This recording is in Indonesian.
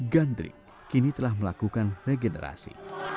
gandrik kini telah melakukan regenerasi